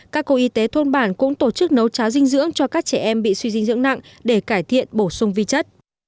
các cô y tế thôn bản cũng tổ chức nấu trá dinh dưỡng cho các trẻ em bị suy dinh dưỡng nặng để cải thiện bổ sung vi chất